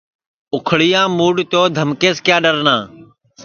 اُکھݪِیام موڈؔ تو دھمکیس کِیا ڈؔنا